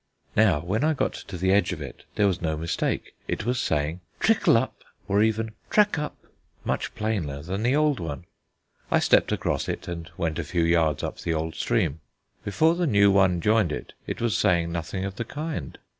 Now when I got to the edge of it, there was no mistake: it was saying "Trickle up," or even "Track up," much plainer than the old one. I stepped across it and went a few yards up the old stream. Before the new one joined it, it was saying nothing of the kind.